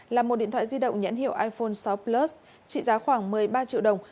là một điện thoại di động nhãn hiệu iphone sáu plus trị giá khoảng một mươi ba triệu đồng